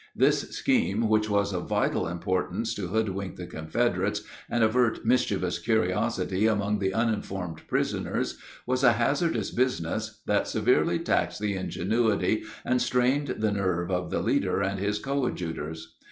This scheme, which was of vital importance to hoodwink the Confederates and avert mischievous curiosity among the uninformed prisoners, was a hazardous business that severely taxed the ingenuity and strained the nerve of the leader and his coadjutors.